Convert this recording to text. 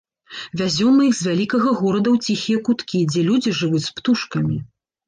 Вязём мы іх з вялікага горада ў ціхія куткі, дзе людзі жывуць з птушкамі.